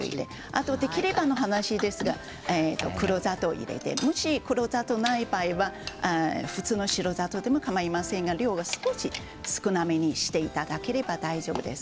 できればの話ですが黒砂糖を入れてもし、ない場合は、普通の白砂糖でもかまいませんが量は少し少なめにしていただければ大丈夫です。